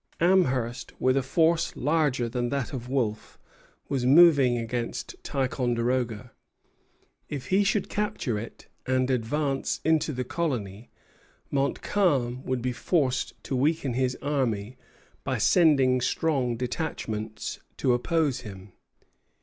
Amherst, with a force larger than that of Wolfe, was moving against Ticonderoga. If he should capture it, and advance into the colony, Montcalm would be forced to weaken his army by sending strong detachments to oppose him.